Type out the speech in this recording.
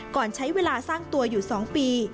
ก่อนใช้เวลาสร้างตัวอยู่๒ปี